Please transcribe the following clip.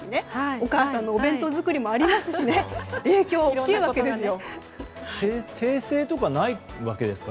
お母さんのお弁当作りもありますし影響、大きいわけですよ。